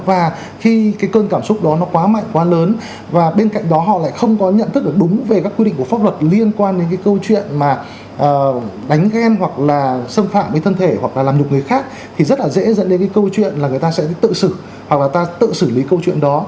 và khi cái cơn cảm xúc đó nó quá mạnh quá lớn và bên cạnh đó họ lại không có nhận thức được đúng về các quy định của pháp luật liên quan đến cái câu chuyện mà đánh ghen hoặc là xâm phạm đến thân thể hoặc là làm nhục người khác thì rất là dễ dẫn đến cái câu chuyện là người ta sẽ tự xử hoặc là ta tự xử lý câu chuyện đó